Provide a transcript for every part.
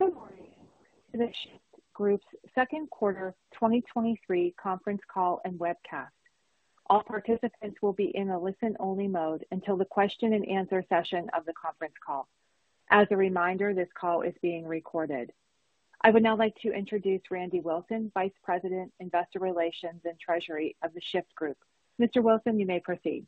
Good morning, to The Shyft Group's Second Quarter 2023 Conference Call and webcast. All participants will be in a listen-only mode until the question and answer session of the conference call. As a reminder, this call is being recorded. I would now like to introduce Randy Wilson, Vice President, Investor Relations and Treasury of The Shyft Group. Mr. Wilson, you may proceed.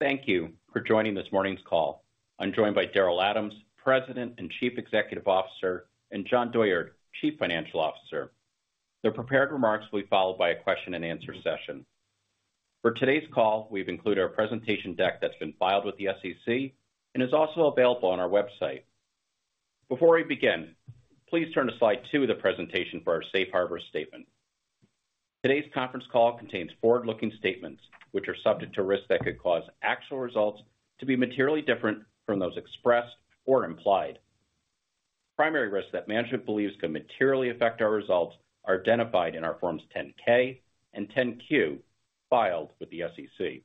Thank you for joining this morning's call. I'm joined by Daryl Adams, President and Chief Executive Officer, and Jon Douyard, Chief Financial Officer. Their prepared remarks will be followed by a question and answer session. For today's call, we've included our presentation deck that's been filed with the SEC and is also available on our website. Before we begin, please turn to slide 2 of the presentation for our safe harbor statement. Today's conference call contains forward-looking statements, which are subject to risks that could cause actual results to be materially different from those expressed or implied. Primary risks that management believes could materially affect our results are identified in our Form 10-K and Form 10-Q filed with the SEC.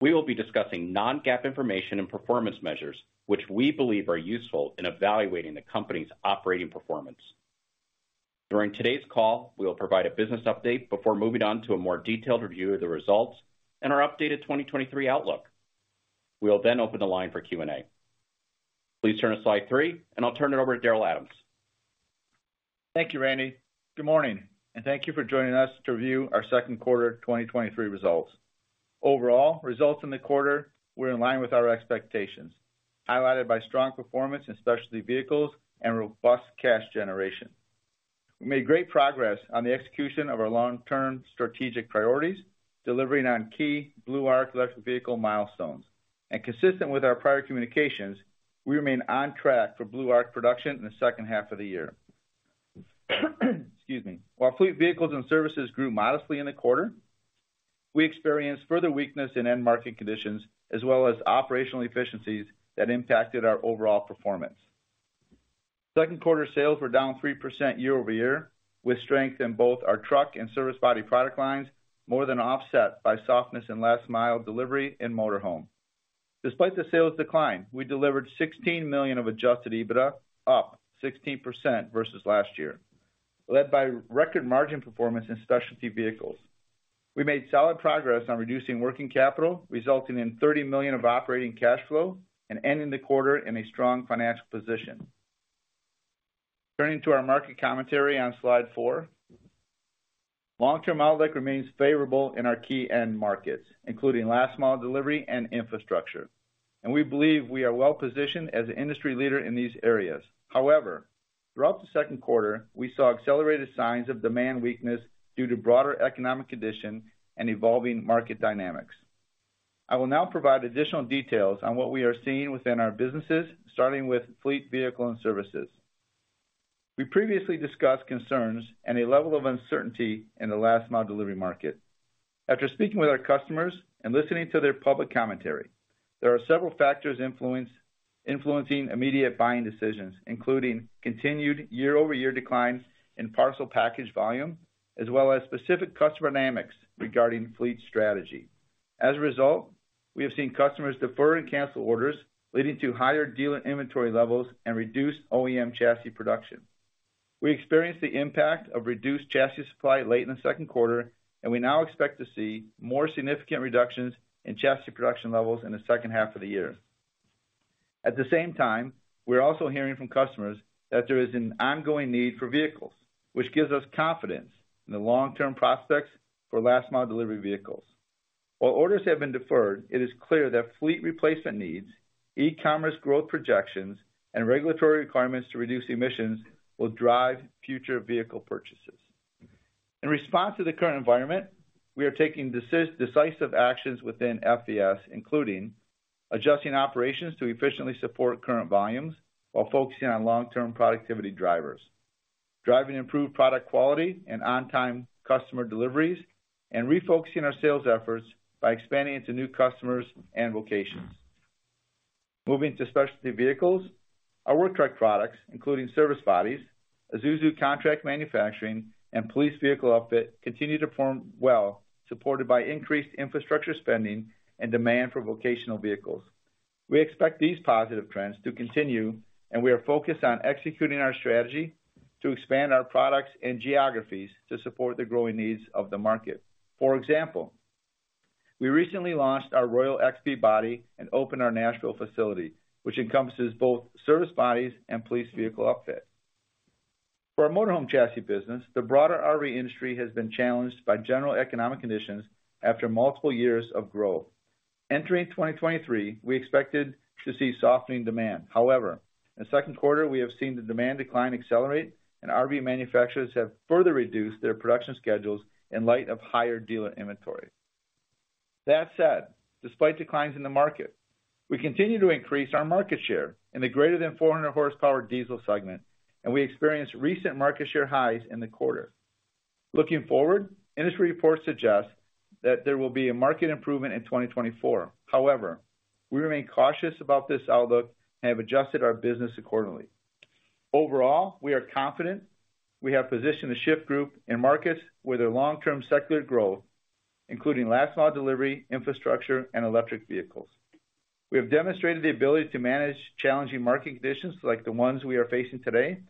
We will be discussing non-GAAP information and performance measures, which we believe are useful in evaluating the company's operating performance. During today's call, we will provide a business update before moving on to a more detailed review of the results and our updated 2023 outlook. We'll then open the line for Q&A. Please turn to slide 3, and I'll turn it over to Daryl Adams. Thank you, Randy. Good morning, and thank you for joining us to Review Our Second Quarter 2023 Results. Overall, results in the quarter were in line with our expectations, highlighted by strong performance in Specialty Vehicles and robust cash generation. Consistent with our prior communications, we remain on track for BlueArc production in the second half of the year. Excuse me. While Fleet Vehicles and Services grew modestly in the quarter, we experienced further weakness in end market conditions, as well as operational efficiencies that impacted our overall performance. Second quarter sales were down 3% year-over-year, with strength in both our truck and service body product lines, more than offset by softness in last mile delivery and motor home. Despite the sales decline, we delivered $16 million of Adjusted EBITDA, up 16% versus last year, led by record margin performance in Specialty Vehicles. We made solid progress on reducing working capital, resulting in $30 million of operating cash flow and ending the quarter in a strong financial position. Turning to our market commentary on slide 4. Long-term outlook remains favorable in our key end markets, including last mile delivery and infrastructure. We believe we are well positioned as an industry leader in these areas. Throughout the second quarter, we saw accelerated signs of demand weakness due to broader economic conditions and evolving market dynamics. I will now provide additional details on what we are seeing within our businesses, starting with Fleet Vehicles and Services. We previously discussed concerns and a level of uncertainty in the last mile delivery market. After speaking with our customers and listening to their public commentary, there are several factors influencing immediate buying decisions, including continued year-over-year declines in parcel package volume, as well as specific customer dynamics regarding fleet strategy. As a result, we have seen customers defer and cancel orders, leading to higher dealer inventory levels and reduced OEM chassis production. We experienced the impact of reduced chassis supply late in the second quarter, and we now expect to see more significant reductions in chassis production levels in the second half of the year. At the same time, we're also hearing from customers that there is an ongoing need for vehicles, which gives us confidence in the long-term prospects for last mile delivery vehicles. While orders have been deferred, it is clear that fleet replacement needs, e-commerce growth projections, and regulatory requirements to reduce emissions will drive future vehicle purchases. In response to the current environment, we are taking decisive actions within FVS, including adjusting operations to efficiently support current volumes while focusing on long-term productivity drivers, driving improved product quality and on-time customer deliveries, and refocusing our sales efforts by expanding into new customers and locations. Moving to Specialty Vehicles, our work truck products, including service bodies, Isuzu contract manufacturing, and police vehicle upfit, continue to perform well, supported by increased infrastructure spending and demand for vocational vehicles. We expect these positive trends to continue. We are focused on executing our strategy to expand our products and geographies to support the growing needs of the market. For example, we recently launched our Royal XP body and opened our Nashville facility, which encompasses both service bodies and police vehicle upfit. For our Motor Home Chassis business, the broader RV industry has been challenged by general economic conditions after multiple years of growth. Entering 2023, we expected to see softening demand. However, in the second quarter, we have seen the demand decline accelerate and RV manufacturers have further reduced their production schedules in light of higher dealer inventory. That said, despite declines in the market, we continue to increase our market share in the greater than 400 Horsepower Diesel segment, and we experienced recent market share highs in the quarter. Looking forward, industry reports suggest that there will be a market improvement in 2024. However, we remain cautious about this outlook and have adjusted our business accordingly. Overall, we are confident we have positioned The Shyft Group in markets with a long-term secular growth, including last mile delivery, infrastructure, and electric vehicles. We have demonstrated the ability to manage challenging market conditions like the ones we are facing today,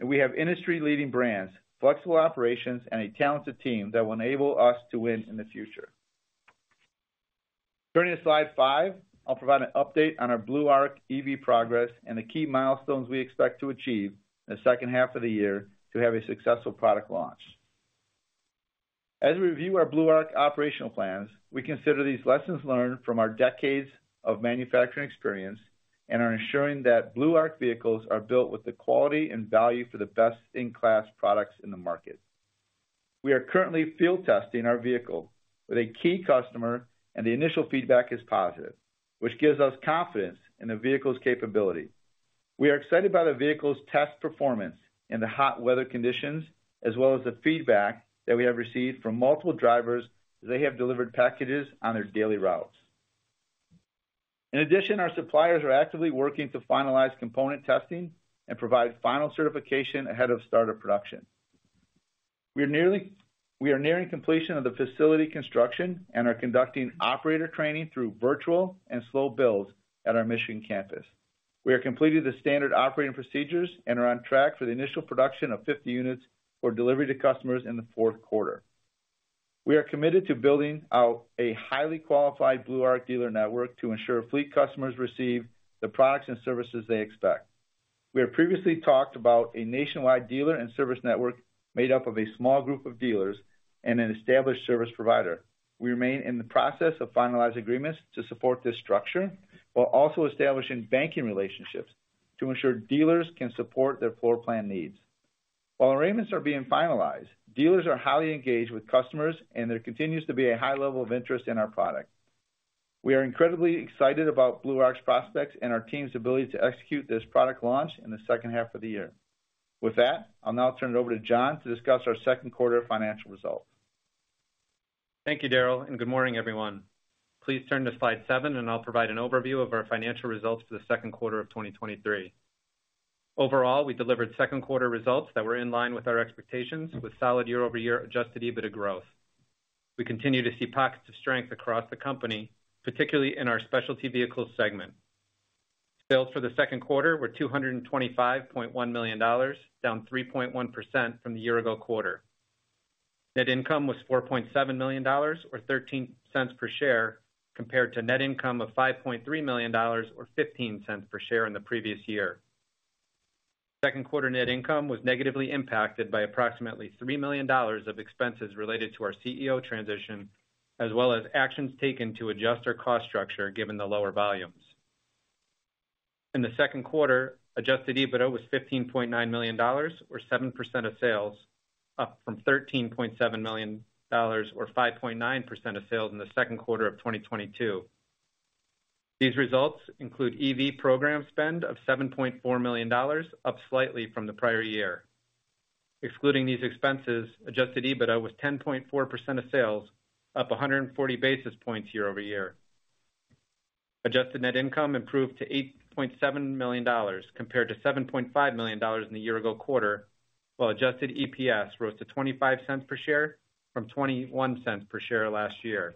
and we have industry-leading brands, flexible operations, and a talented team that will enable us to win in the future. Turning to Slide 5, I'll provide an update on our BlueArc EV progress and the key milestones we expect to achieve in the second half of the year to have a successful product launch. As we review our BlueArc operational plans, we consider these lessons learned from our decades of manufacturing experience and are ensuring that BlueArc vehicles are built with the quality and value for the best-in-class products in the market. We are currently field testing our vehicle with a key customer, and the initial feedback is positive, which gives us confidence in the vehicle's capability. We are excited about the vehicle's test performance in the hot weather conditions, as well as the feedback that we have received from multiple drivers as they have delivered packages on their daily routes. In addition, our suppliers are actively working to finalize component testing and provide final certification ahead of start of production. We are nearing completion of the facility construction and are conducting operator training through virtual and slow builds at our Michigan campus. We are completing the standard operating procedures and are on track for the initial production of 50 units for delivery to customers in the fourth quarter. We are committed to building out a highly qualified BlueArc dealer network to ensure fleet customers receive the products and services they expect. We have previously talked about a nationwide dealer and service network made up of a small group of dealers and an established service provider. We remain in the process of finalizing agreements to support this structure, while also establishing banking relationships to ensure dealers can support their floor plan needs. While arrangements are being finalized, dealers are highly engaged with customers, and there continues to be a high level of interest in our product. We are incredibly excited about BlueArc's prospects and our team's ability to execute this product launch in the second half of the year. With that, I'll now turn it over to Jon to discuss our second quarter financial results. Thank you, Daryl. Good morning, everyone. Please turn to Slide 7. I'll provide an overview of our financial results for the second quarter of 2023. Overall, we delivered second quarter results that were in line with our expectations, with solid year-over-year Adjusted EBITDA growth. We continue to see pockets of strength across the company, particularly in our Specialty Vehicles segment. Sales for the second quarter were $225.1 million, down 3.1% from the year ago quarter. Net income was $4.7 million, or $0.13 per share, compared to net income of $5.3 million, or $0.15 per share in the previous year. Second quarter net income was negatively impacted by approximately $3 million of expenses related to our CEO transition, as well as actions taken to adjust our cost structure, given the lower volumes. In the second quarter, Adjusted EBITDA was $15.9 million, or 7% of sales, up from $13.7 million, or 5.9% of sales in the second quarter of 2022. These results include EV program spend of $7.4 million, up slightly from the prior year. Excluding these expenses, Adjusted EBITDA was 10.4% of sales, up 140 basis points year-over-year. Adjusted net income improved to $8.7 million, compared to $7.5 million in the year ago quarter, while Adjusted EPS rose to $0.25 per share from $0.21 per share last year.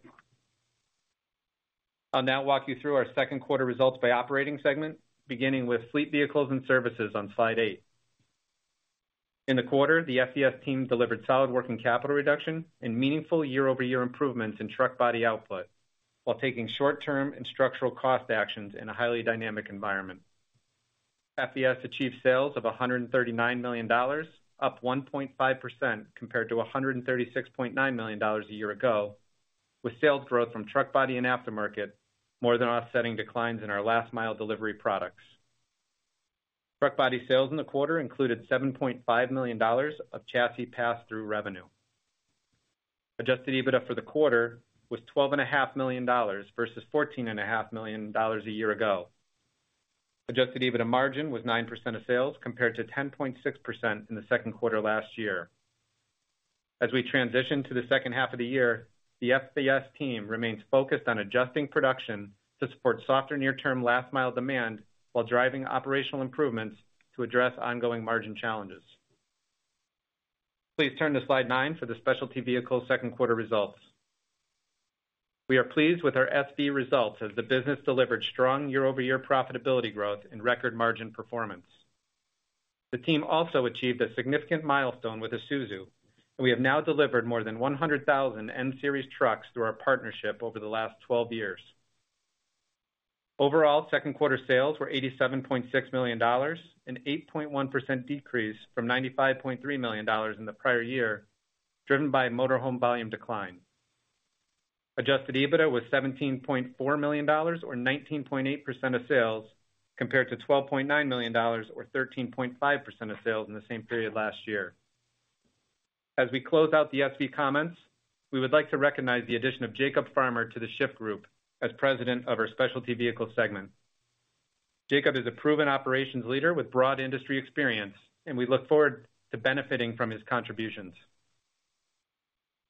I'll now walk you through our second quarter results by operating segment, beginning with Fleet Vehicles and Services on Slide 8. In the quarter, the FVS team delivered solid working capital reduction and meaningful year-over-year improvements in truck body output, while taking short-term and structural cost actions in a highly dynamic environment. FVS achieved sales of $139 million, up 1.5% compared to $136.9 million a year ago, with sales growth from truck body and aftermarket more than offsetting declines in our last mile delivery products. Truck body sales in the quarter included $7.5 million of chassis pass-through revenue. Adjusted EBITDA for the quarter was 12 and a half million dollars versus 14 and a half million dollars a year ago. Adjusted EBITDA margin was 9% of sales, compared to 10.6% in the second quarter last year. As we transition to the second half of the year, the FVS team remains focused on adjusting production to support softer near-term last-mile demand, while driving operational improvements to address ongoing margin challenges. Please turn to Slide 9 for the Specialty Vehicles second quarter results. We are pleased with our SV results, as the business delivered strong year-over-year profitability growth and record margin performance. The team also achieved a significant milestone with Isuzu, and we have now delivered more than 100,000 N-Series trucks through our partnership over the last 12 years. Overall, second quarter sales were $87.6 million, an 8.1% decrease from $95.3 million in the prior year, driven by motor home volume decline. Adjusted EBITDA was $17.4 million, or 19.8% of sales, compared to $12.9 million or 13.5% of sales in the same period last year. As we close out the SV comments, we would like to recognize the addition of Jacob Farmer to The Shyft Group as President of our Specialty Vehicles segment. Jacob is a proven operations leader with broad industry experience, and we look forward to benefiting from his contributions.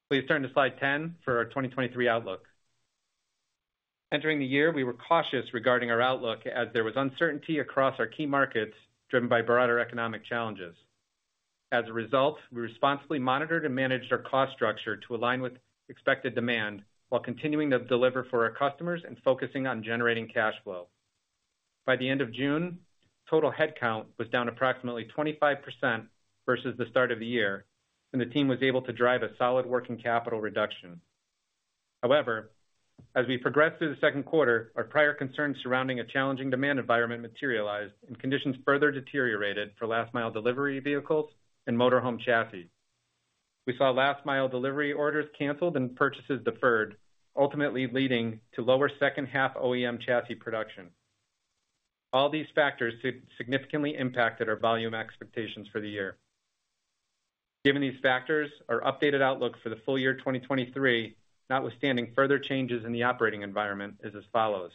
Please turn to slide 10 for our 2023 outlook. Entering the year, we were cautious regarding our outlook, as there was uncertainty across our key markets, driven by broader economic challenges. As a result, we responsibly monitored and managed our cost structure to align with expected demand, while continuing to deliver for our customers and focusing on generating cash flow. By the end of June, total headcount was down approximately 25% versus the start of the year, and the team was able to drive a solid working capital reduction. As we progressed through the second quarter, our prior concerns surrounding a challenging demand environment materialized, and conditions further deteriorated for last-mile delivery vehicles and motor home chassis. We saw last-mile delivery orders canceled and purchases deferred, ultimately leading to lower second half OEM chassis production. All these factors significantly impacted our volume expectations for the year. Given these factors, our updated outlook for the full year 2023, notwithstanding further changes in the operating environment, is as follows: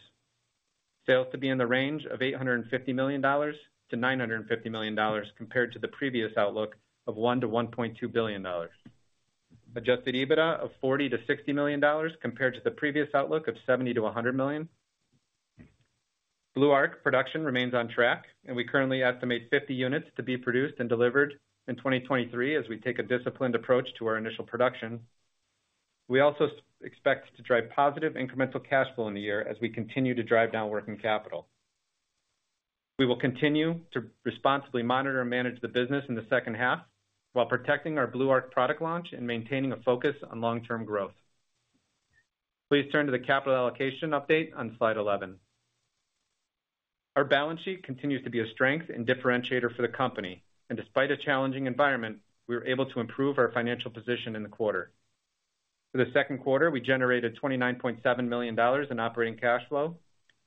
Sales to be in the range of $850 million-$950 million, compared to the previous outlook of $1 billion-$1.2 billion. Adjusted EBITDA of $40 million-$60 million, compared to the previous outlook of $70 million-$100 million. BlueArc production remains on track, and we currently estimate 50 units to be produced and delivered in 2023, as we take a disciplined approach to our initial production. We also expect to drive positive incremental cash flow in the year as we continue to drive down working capital. We will continue to responsibly monitor and manage the business in the second half, while protecting our BlueArc product launch and maintaining a focus on long-term growth. Please turn to the capital allocation update on slide 11. Our balance sheet continues to be a strength and differentiator for the company, and despite a challenging environment, we were able to improve our financial position in the quarter. For the second quarter, we generated $29.7 million in operating cash flow,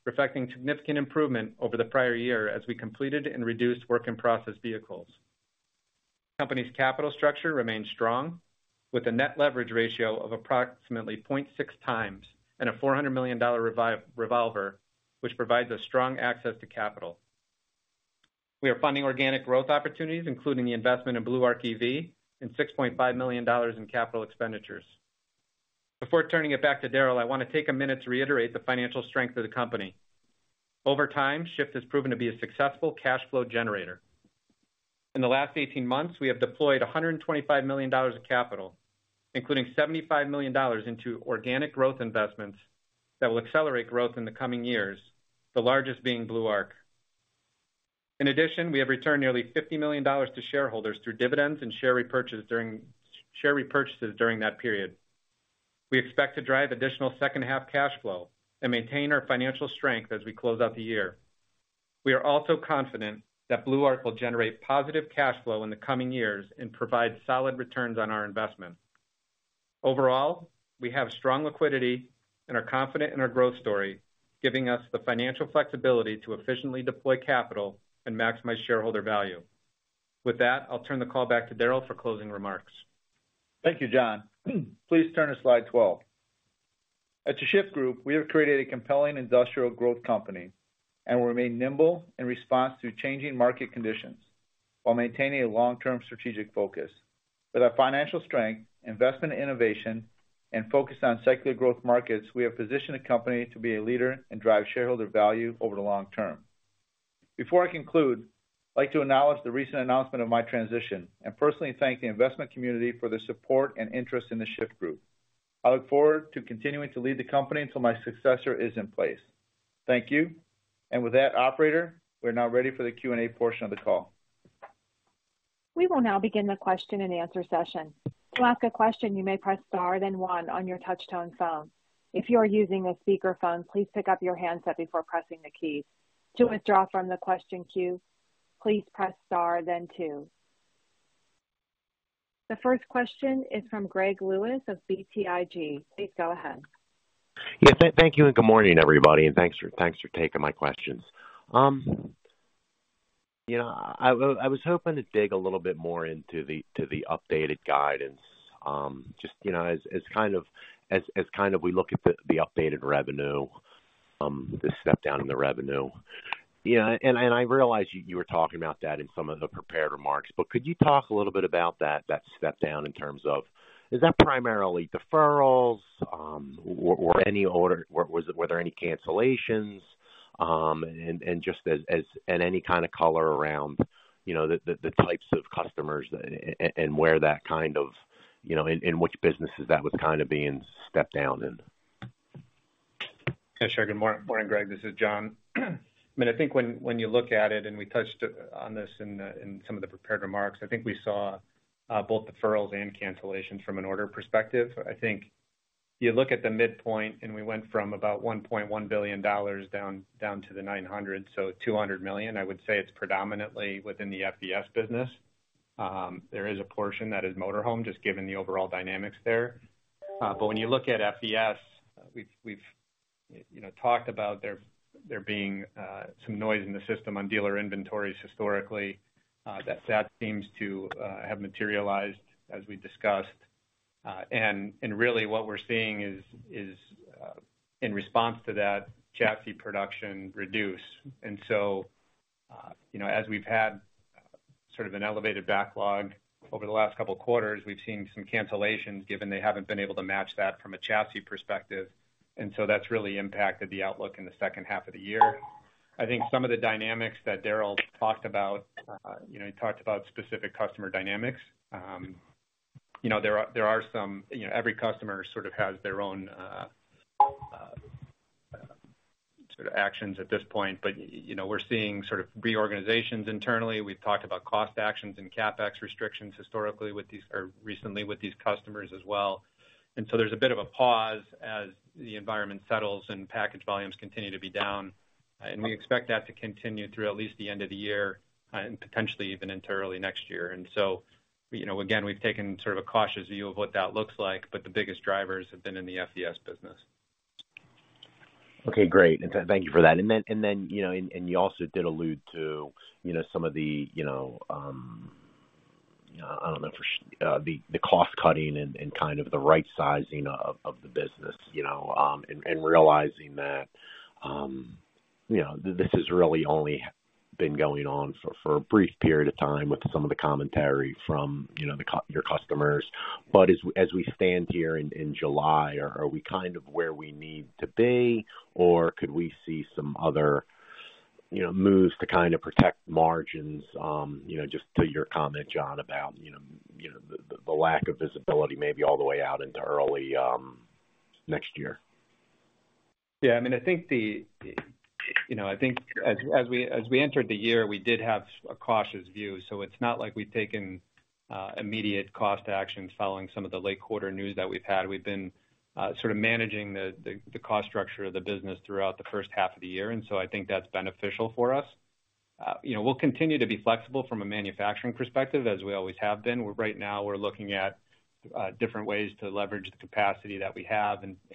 reflecting significant improvement over the prior year as we completed and reduced work-in-process vehicles. Company's capital structure remains strong, with a net leverage ratio of approximately 0.6 times and a $400 million revolver, which provides strong access to capital. We are funding organic growth opportunities, including the investment in BlueArc EV and $6.5 million in capital expenditures. Before turning it back to Daryl, I want to take a minute to reiterate the financial strength of the company. Over time, Shyft has proven to be a successful cash flow generator. In the last 18 months, we have deployed $125 million of capital, including $75 million into organic growth investments that will accelerate growth in the coming years, the largest being BlueArc. In addition, we have returned nearly $50 million to shareholders through dividends and share repurchase during share repurchases during that period. We expect to drive additional second-half cash flow and maintain our financial strength as we close out the year. We are also confident that BlueArc will generate positive cash flow in the coming years and provide solid returns on our investment. Overall, we have strong liquidity and are confident in our growth story, giving us the financial flexibility to efficiently deploy capital and maximize shareholder value. With that, I'll turn the call back to Daryl for closing remarks. Thank you, Jon. Please turn to slide 12. At The Shyft Group, we have created a compelling industrial growth company. We remain nimble in response to changing market conditions while maintaining a long-term strategic focus. With our financial strength, investment innovation, and focus on secular growth markets, we have positioned the company to be a leader and drive shareholder value over the long term. Before I conclude, I'd like to acknowledge the recent announcement of my transition and personally thank the investment community for their support and interest in The Shyft Group. I look forward to continuing to lead the company until my successor is in place. Thank you. With that, operator, we're now ready for the Q&A portion of the call. We will now begin the question-and-answer session. To ask a question, you may press star, then one on your touchtone phone. If you are using a speakerphone, please pick up your handset before pressing the key. To withdraw from the question queue, please press star, then two. The first question is from Greg Lewis of BTIG. Please go ahead. Yeah, thank you, good morning, everybody, and thanks for taking my questions. you know, I was hoping to dig a little bit more into the updated guidance, just, you know, as kind of we look at the updated revenue, the step down in the revenue. You know, I realize you were talking about that in some of the prepared remarks, but could you talk a little bit about that step down in terms of, is that primarily deferrals, or any cancellations? Just as, and any kind of color around, you know, the types of customers and where that kind of, you know, in which businesses that was kind of being stepped down in? Sure. Good morning, Greg. This is Jon. I mean, I think when you look at it, and we touched on this in some of the prepared remarks, I think we saw both deferrals and cancellations from an order perspective. I think you look at the midpoint, we went from about $1.1 billion down to the $900 million, so $200 million. I would say it's predominantly within the FVS business. There is a portion that is motor home, just given the overall dynamics there. But when you look at FVS, we've, you know, talked about there being some noise in the system on dealer inventories historically, that seems to have materialized as we discussed. Really what we're seeing is, in response to that, chassis production reduce. You know, as we've had sort of an elevated backlog over the last couple of quarters, we've seen some cancellations, given they haven't been able to match that from a chassis perspective. That's really impacted the outlook in the second half of the year. I think some of the dynamics that Daryl talked about, you know, he talked about specific customer dynamics. You know, there are, you know, every customer sort of has their own, sort of, actions at this point, but, you know, we're seeing sort of reorganizations internally. We've talked about cost actions and CapEx restrictions historically or recently with these customers as well. There's a bit of a pause as the environment settles and package volumes continue to be down, and we expect that to continue through at least the end of the year and potentially even into early next year. You know, again, we've taken sort of a cautious view of what that looks like, but the biggest drivers have been in the FVS business. Okay, great. Thank you for that. Then, you know, you also did allude to, you know, some of the, you know, I don't know, for the cost cutting and kind of the right sizing of the business, you know, and realizing that, you know, this has really only been going on for a brief period of time with some of the commentary from, you know, your customers. As we stand here in July, are we kind of where we need to be, or could we see some other, you know, moves to kind of protect margins? You know, just to your comment, Jon, about, you know, the lack of visibility, maybe all the way out into early next year. Yeah, I mean, I think the, you know, I think as we entered the year, we did have a cautious view, so it's not like we've taken immediate cost actions following some of the late quarter news that we've had. We've been sort of managing the cost structure of the business throughout the first half of the year. I think that's beneficial for us. You know, we'll continue to be flexible from a manufacturing perspective, as we always have been. Right now, we're looking at different ways to leverage the capacity that we have and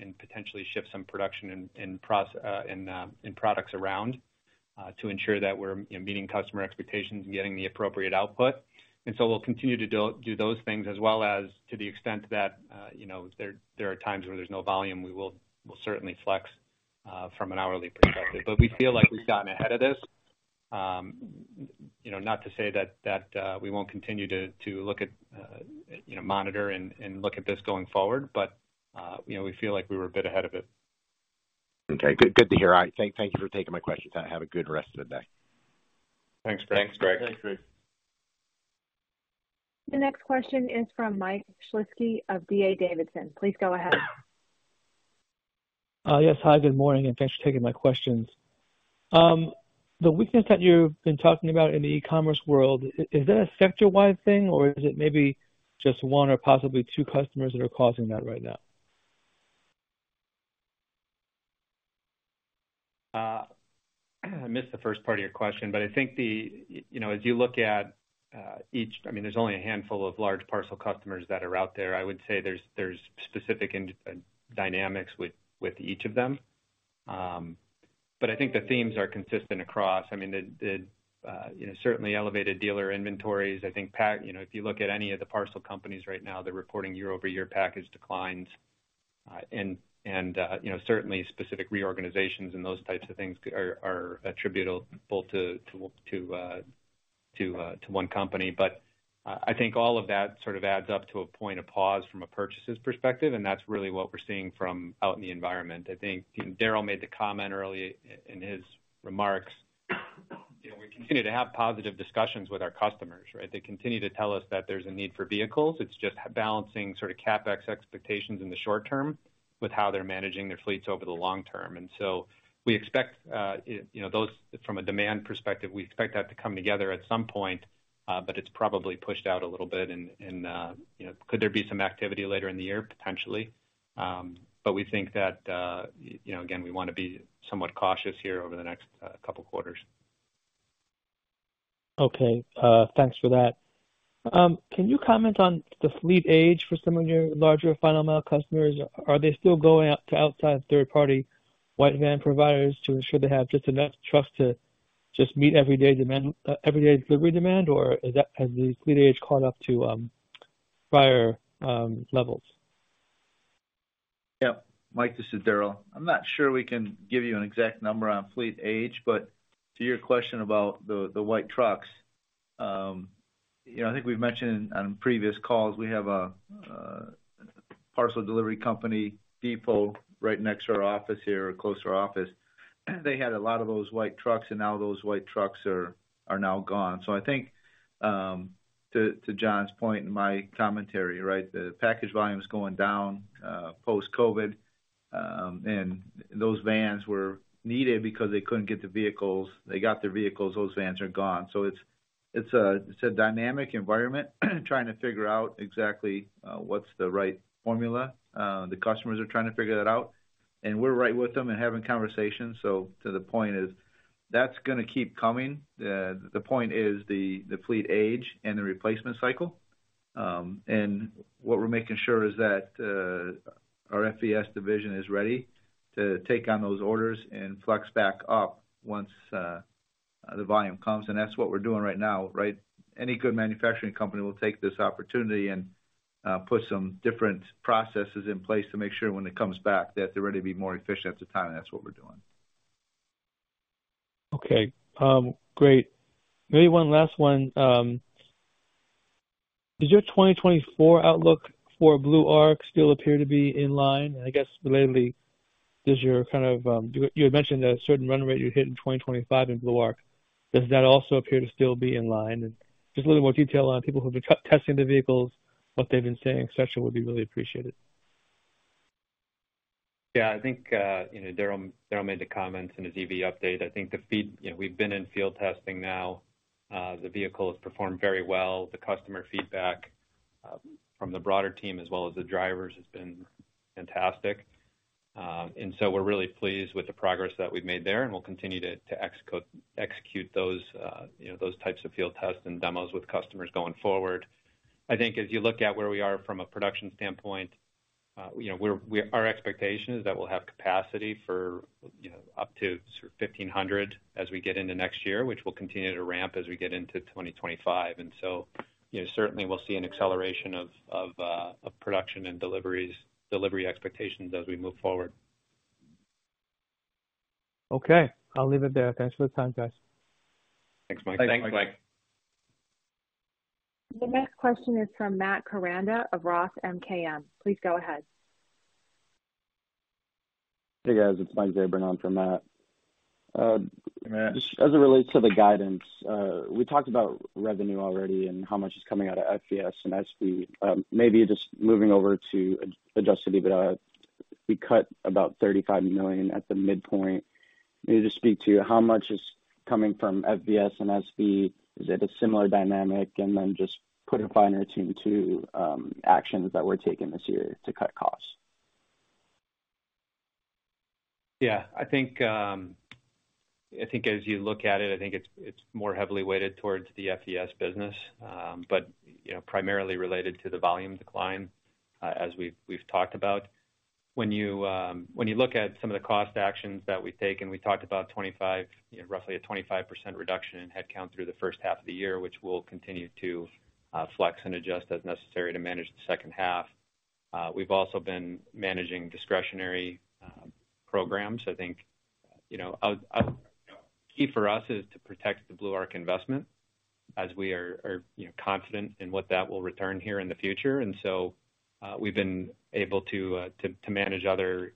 products around to ensure that we're, you know, meeting customer expectations and getting the appropriate output. We'll continue to do those things as well as to the extent that, you know, there are times where there's no volume, we'll certainly flex from an hourly perspective. We feel like we've gotten ahead of this. You know, not to say that we won't continue to look at, you know, monitor and look at this going forward, but, you know, we feel like we were a bit ahead of it. Okay, good to hear. Thank you for taking my questions. Have a good rest of the day. Thanks, Greg. Thanks, Greg. Thanks, Greg. The next question is from Mike Shlisky of D.A. Davidson. Please go ahead. Yes. Hi, good morning, and thanks for taking my questions. The weakness that you've been talking about in the e-commerce world, is that a sector-wide thing, or is it maybe just one or possibly two customers that are causing that right now? I missed the first part of your question, but I think You know, as you look at, I mean, there's only a handful of large parcel customers that are out there. I would say there's specific dynamics with each of them. I think the themes are consistent across. I mean, the, you know, certainly elevated dealer inventories. I think you know, if you look at any of the parcel companies right now, they're reporting year-over-year package declines, and, you know, certainly specific reorganizations and those types of things are attributable to one company. I think all of that sort of adds up to a point of pause from a purchases perspective, and that's really what we're seeing from out in the environment. I think Daryl made the comment earlier in his remarks, you know, we continue to have positive discussions with our customers, right? They continue to tell us that there's a need for vehicles. It's just balancing sort of CapEx expectations in the short term, with how they're managing their fleets over the long term. We expect, you know, those from a demand perspective, we expect that to come together at some point, it's probably pushed out a little bit and, and, you know, could there be some activity later in the year? Potentially. We think that, you know, again, we want to be somewhat cautious here over the next couple quarters. Thanks for that. Can you comment on the fleet age for some of your larger final mile customers? Are they still going out to outside third-party white van providers to ensure they have just enough trucks to meet everyday demand, everyday delivery demand? Or has the fleet age caught up to prior levels? Yeah. Mike, this is Daryl. I'm not sure we can give you an exact number on fleet age, but to your question about the, the white trucks, you know, I think we've mentioned on previous calls, we have a, a parcel delivery company depot right next to our office here, or close to our office, they had a lot of those white trucks, and now those white trucks are, are now gone. I think, to Jon's point in my commentary, right? The package volume is going down, post-COVID, and those vans were needed because they couldn't get the vehicles. They got their vehicles, those vans are gone. It's, it's a, it's a dynamic environment, trying to figure out exactly what's the right formula. The customers are trying to figure that out, and we're right with them and having conversations. To the point is, that's going to keep coming. The point is the, the fleet age and the replacement cycle. What we're making sure is that, our FVS division is ready to take on those orders and flex back up once, the volume comes. That's what we're doing right now, right? Any good manufacturing company will take this opportunity and put some different processes in place to make sure when it comes back, that they're ready to be more efficient at the time, and that's what we're doing. Okay. Great. Maybe one last one. Does your 2024 outlook for BlueArc still appear to be in line? I guess, lately, does your kind of... You had mentioned that a certain run rate you hit in 2025 in BlueArc. Does that also appear to still be in line? Just a little more detail on people who've been testing the vehicles, what they've been saying, et cetera, would be really appreciated. Yeah, I think, you know, Daryl made the comments in his EV update. You know, we've been in field testing now. The vehicle has performed very well. The customer feedback, from the broader team as well as the drivers, has been fantastic. We're really pleased with the progress that we've made there, and we'll continue to execute those, you know, those types of field tests and demos with customers going forward. I think if you look at where we are from a production standpoint, you know, Our expectation is that we'll have capacity for, you know, up to sort of 1,500 as we get into next year, which will continue to ramp as we get into 2025. You know, certainly we'll see an acceleration of production and deliveries, delivery expectations as we move forward. Okay, I'll leave it there. Thanks for the time, guys. Thanks, Mike. Thanks, Mike. The next question is from Matt Koranda of Roth MKM. Please go ahead. Hey, guys. It's Mike Zabran for Matt. Hey, Matt. As it relates to the guidance, we talked about revenue already and how much is coming out of FVS and SV. Maybe just moving over to adjusted EBITDA. We cut about $35 million at the midpoint. Maybe just speak to how much is coming from FVS and SV. Is it a similar dynamic? Then just put a finer tune to actions that we're taking this year to cut costs. I think as you look at it, I think it's more heavily weighted towards the FVS business, but, you know, primarily related to the volume decline, as we've talked about. When you look at some of the cost actions that we've taken, we talked about 25, you know, roughly a 25% reduction in headcount through the first half of the year, which we'll continue to flex and adjust as necessary to manage the second half. We've also been managing discretionary programs. I think, you know, Key for us is to protect the BlueArc investment as we are, you know, confident in what that will return here in the future. We've been able to manage other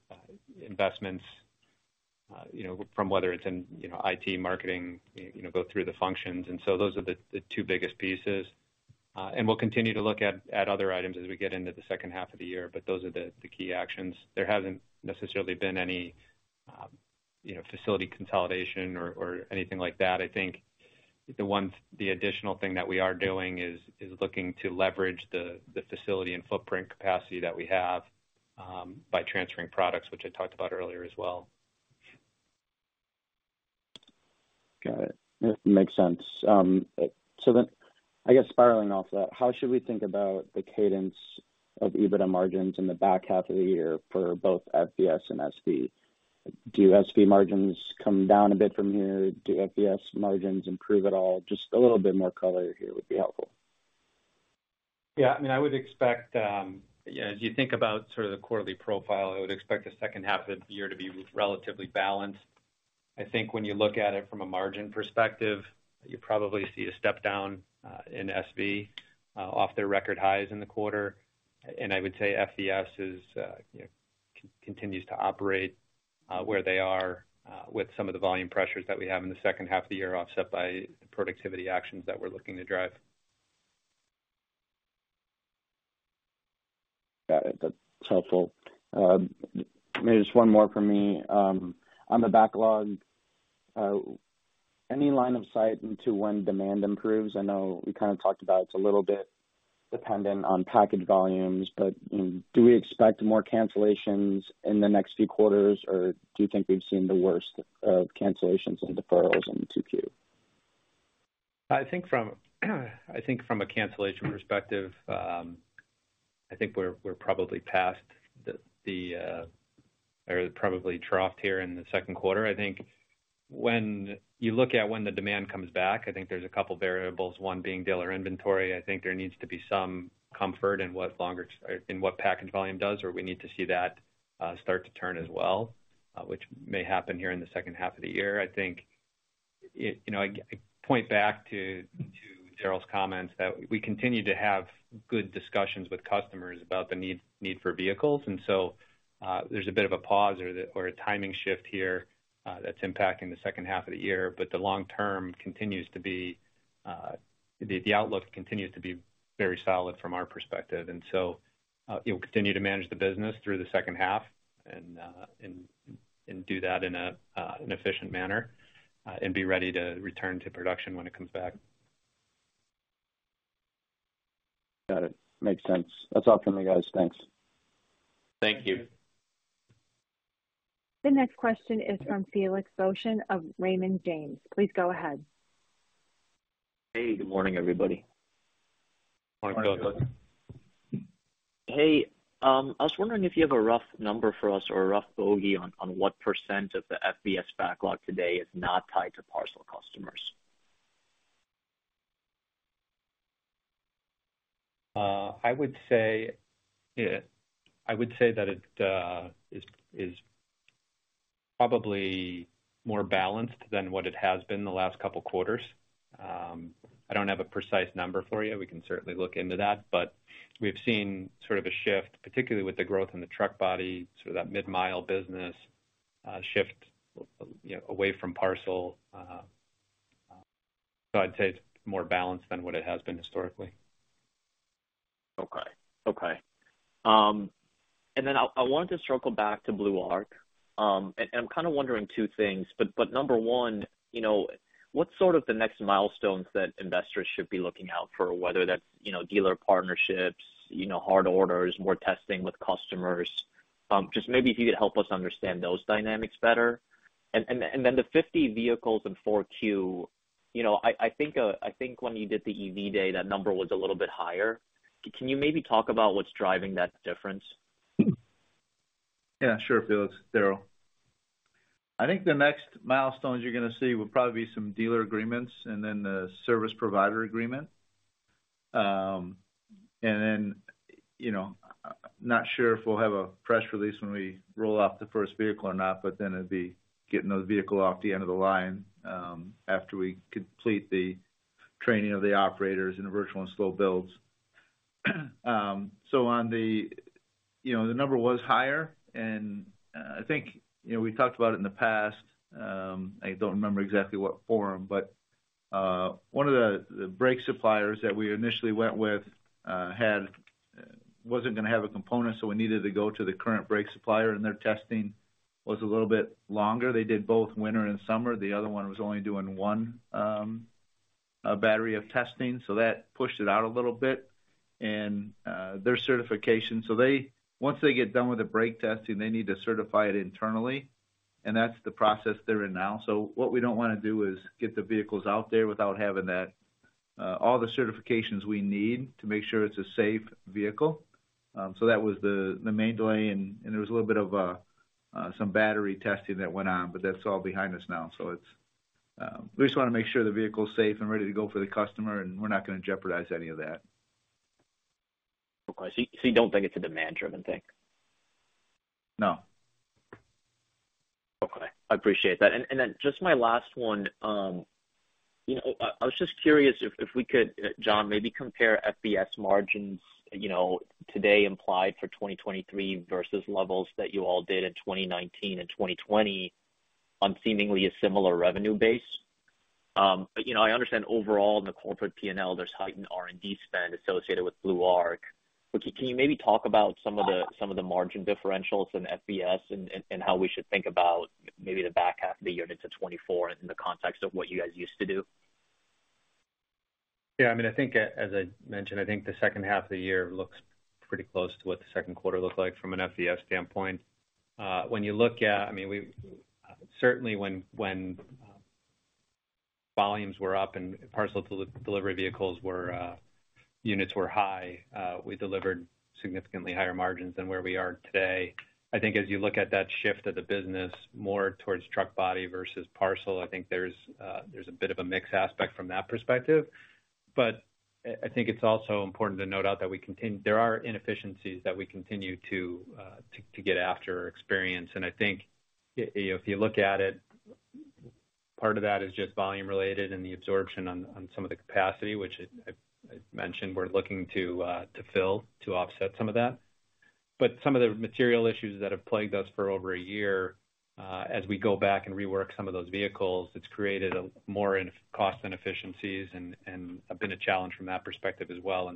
investments, you know, from whether it's in, you know, IT, marketing, you know, go through the functions. Those are the two biggest pieces. We'll continue to look at other items as we get into the second half of the year, but those are the key actions. There hasn't necessarily been any, you know, facility consolidation or anything like that. I think the additional thing that we are doing is looking to leverage the facility and footprint capacity that we have, by transferring products, which I talked about earlier as well. Got it. That makes sense. I guess spiraling off that, how should we think about the cadence of EBITDA margins in the back half of the year for both FVS and SV? Do SV margins come down a bit from here? Do FVS margins improve at all? Just a little bit more color here would be helpful. I mean, I would expect, as you think about sort of the quarterly profile, I would expect the second half of the year to be relatively balanced. I think when you look at it from a margin perspective, you probably see a step down in SV off their record highs in the quarter. I would say FVS is, you know, continues to operate where they are with some of the volume pressures that we have in the second half of the year, offset by the productivity actions that we're looking to drive. Got it. That's helpful. Maybe just one more from me. On the backlog, any line of sight into when demand improves? I know we kind of talked about it's a little bit dependent on package volumes, but do we expect more cancellations in the next few quarters, or do you think we've seen the worst of cancellations and deferrals in the 2Q? I think from a cancellation perspective, I think we're probably troughed here in the second quarter. I think when you look at when the demand comes back, I think there's a couple variables, one being dealer inventory. I think there needs to be some comfort in what longer, or in what package volume does. We need to see that start to turn as well, which may happen here in the second half of the year. You know, I point back to Daryl's comments, that we continue to have good discussions with customers about the need for vehicles. There's a bit of a pause or a timing shift here that's impacting the second half of the year. The long term continues to be, the outlook continues to be very solid from our perspective. We'll continue to manage the business through the second half and do that in an efficient manner and be ready to return to production when it comes back. Got it. Makes sense. That's all from me, guys. Thanks. Thank you. The next question is from Felix Boeschen of Raymond James. Please go ahead. Hey, good morning, everybody. Morning, Felix. Hey, I was wondering if you have a rough number for us or a rough bogey on what % of the FVS backlog today is not tied to parcel customers? I would say that it is probably more balanced than what it has been the last couple quarters. I don't have a precise number for you. We can certainly look into that, but we've seen sort of a shift, particularly with the growth in the truck body, so that mid-mile business, shift, you know, away from parcel. I'd say it's more balanced than what it has been historically. Okay. Okay. I wanted to circle back to BlueArc. I'm kind of wondering two things, but number one, you know, what's sort of the next milestones that investors should be looking out for, whether that's, you know, dealer partnerships, you know, hard orders, more testing with customers? Just maybe if you could help us understand those dynamics better. The 50 vehicles in 4Q, you know, I think when you did the EV day, that number was a little bit higher. Can you maybe talk about what's driving that difference? Sure, Felix. Daryl. I think the next milestones you're going to see will probably be some dealer agreements and then the service provider agreement. You know, not sure if we'll have a press release when we roll out the first vehicle or not, but then it'd be getting those vehicle off the end of the line, after we complete the training of the operators in the virtual and slow builds. On the, you know, the number was higher, and I think, you know, we talked about it in the past, I don't remember exactly what forum, but one of the brake suppliers that we initially went with, had wasn't going to have a component, so we needed to go to the current brake supplier, and their testing was a little bit longer. They did both winter and summer. The other one was only doing one battery of testing, so that pushed it out a little bit. Their certification. Once they get done with the brake testing, they need to certify it internally, and that's the process they're in now. What we don't want to do is get the vehicles out there without having that all the certifications we need to make sure it's a safe vehicle. That was the main delay, and there was a little bit of some battery testing that went on, but that's all behind us now. It's... We just want to make sure the vehicle is safe and ready to go for the customer, and we're not going to jeopardize any of that. Okay. You don't think it's a demand-driven thing? No. Okay, I appreciate that. Then just my last one, you know, I was just curious if we could, Jon, maybe compare FVS margins, you know, today implied for 2023 versus levels that you all did in 2019 and 2020, on seemingly a similar revenue base. you know, I understand overall in the corporate P&L, there's heightened R&D spend associated with BlueArc. can you maybe talk about some of the margin differentials in FVS and how we should think about maybe the back half of the year into 2024 in the context of what you guys used to do? Yeah, I mean, I think, as I mentioned, I think the second half of the year looks pretty close to what the second quarter looked like from an FVS standpoint. When you look at... I mean, we, certainly when, when volumes were up and parcel delivery vehicles were units were high, we delivered significantly higher margins than where we are today. I think as you look at that shift of the business more towards truck body versus parcel, I think there's a bit of a mix aspect from that perspective. I think it's also important to note out that there are inefficiencies that we continue to get after experience. I think if you look at it, part of that is just volume related and the absorption on some of the capacity, which I mentioned we're looking to fill to offset some of that. Some of the material issues that have plagued us for over a year, as we go back and rework some of those vehicles, it's created more cost inefficiencies and have been a challenge from that perspective as well.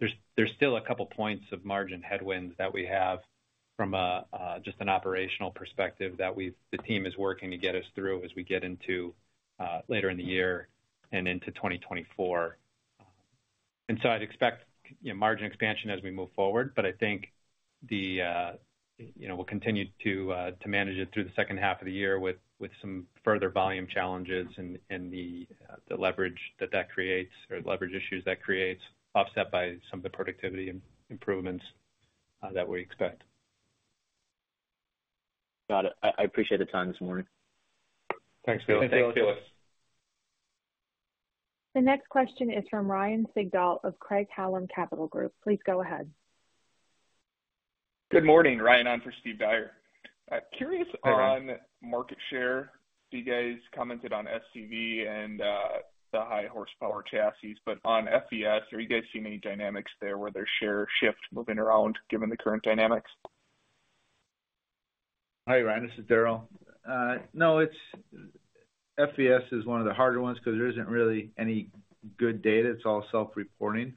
There's still a couple points of margin headwinds that we have from a just an operational perspective, that the team is working to get us through as we get into later in the year and into 2024. I'd expect, you know, margin expansion as we move forward, but I think the, you know, we'll continue to manage it through the second half of the year with some further volume challenges and, and the leverage that that creates, or leverage issues that creates, offset by some of the productivity improvements that we expect. Got it. I appreciate the time this morning. Thanks, Felix. Thanks, Felix. The next question is from Ryan Sigdahl of Craig-Hallum Capital Group. Please go ahead. Good morning, Ryan on for Steve Dyer. I'm curious on market share. You guys commented on SV and the high horsepower chassis, but on FVS, are you guys seeing any dynamics there where there's share shift moving around given the current dynamics? Hi, Ryan, this is Daryl. no, FVS is one of the harder ones because there isn't really any good data. It's all self-reporting.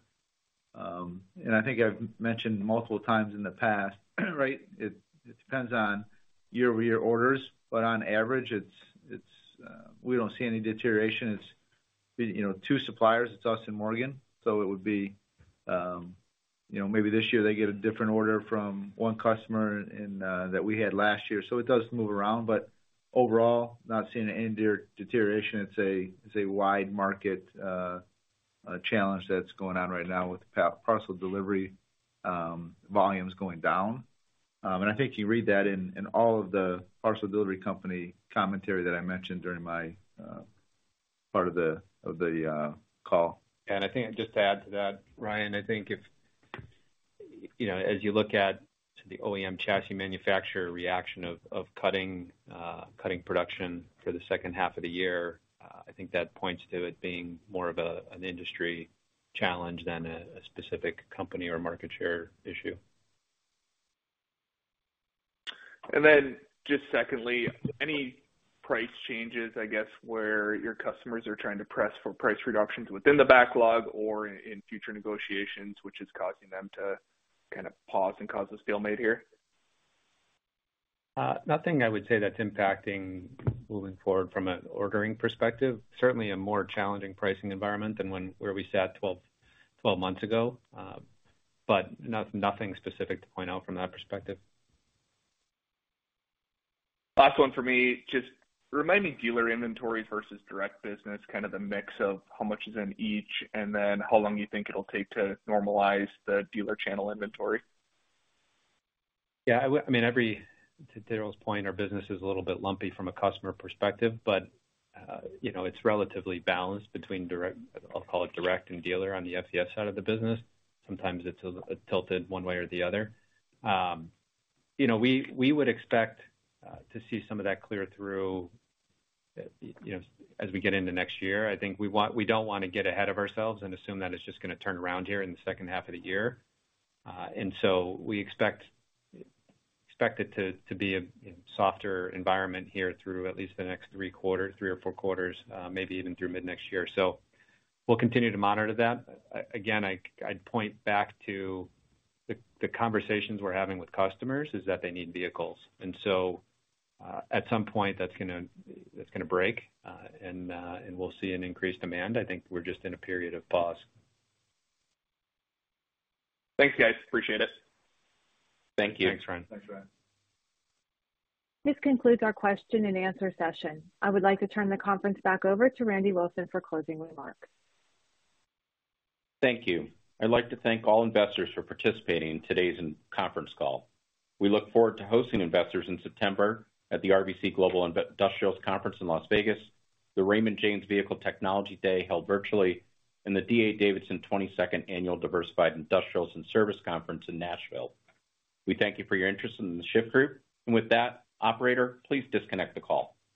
I think I've mentioned multiple times in the past, right, it, it depends on year-over-year orders, but on average, it's, we don't see any deterioration. It's, you know, two suppliers, it's us and Morgan, it would be, you know, maybe this year they get a different order from one customer and that we had last year. It does move around, but overall, not seeing any deterioration. It's a wide market a challenge that's going on right now with parcel delivery, volumes going down. I think you read that in, in all of the parcel delivery company commentary that I mentioned during my part of the call. I think just to add to that, Ryan, I think if, you know, as you look at the OEM chassis manufacturer reaction of cutting production for the second half of the year, I think that points to it being more of an industry challenge than a specific company or market share issue. Then just secondly, any price changes, I guess, where your customers are trying to press for price reductions within the backlog or in future negotiations, which is causing them to kind of pause and cause a stalemate here? Nothing I would say that's impacting moving forward from an ordering perspective. Certainly, a more challenging pricing environment than where we sat 12 months ago. Nothing specific to point out from that perspective. Last one for me, just remind me, dealer inventories versus direct business, kind of the mix of how much is in each, and then how long you think it'll take to normalize the dealer channel inventory? I mean, every... To Daryl's point, our business is a little bit lumpy from a customer perspective, but, you know, it's relatively balanced between direct, I'll call it direct and dealer on the FVS side of the business. Sometimes it's a little bit tilted one way or the other. You know, we would expect to see some of that clear through, you know, as we get into next year. I think we don't wanna get ahead of ourselves and assume that it's just gonna turn around here in the second half of the year. We expect it to be a, you know, softer environment here through at least the next three quarters, three or four quarters, maybe even through mid-next year. We'll continue to monitor that. Again, I'd point back to the conversations we're having with customers, is that they need vehicles. At some point, that's gonna break, and we'll see an increased demand. I think we're just in a period of pause. Thanks, guys. Appreciate it. Thank you. Thanks, Ryan. Thanks, Ryan. This concludes our question and answer session. I would like to turn the conference back over to Randy Wilson for closing remarks. Thank you. I'd like to thank all investors for participating in today's conference call. We look forward to hosting investors in September at the RBC Global Industrials Conference in Las Vegas, the Raymond James Vehicle Technology Day, held virtually, and the D.A. Davidson 22nd Annual Diversified Industrials and Service Conference in Nashville. We thank you for your interest in The Shyft Group. With that, operator, please disconnect the call.